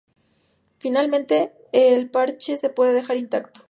Finalmente, el parche se puede dejar intacto.